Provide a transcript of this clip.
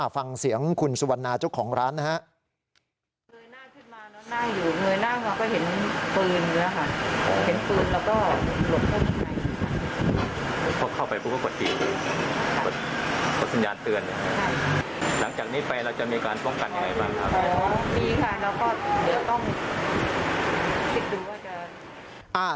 ฟังเสียงคุณสุวรรณาเจ้าของร้านนะฮะ